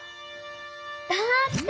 だって！